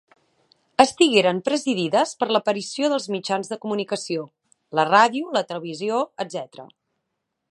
Estigueren presidides per l’aparició dels mitjans de comunicació: la ràdio, la televisió, etcètera.